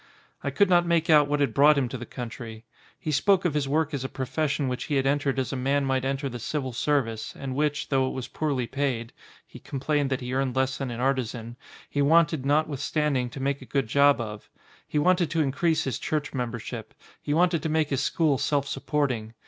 I could not make out what had brought him to the country. He spoke of his work as a profes sion which he had entered as a man might enter the civil, service, and which, though it was poorly paid (he complained that he earned less than an artisan) he wanted notwithstanding to make a good job of. He wanted to increase his church membership, he wanted to make his school self supporting.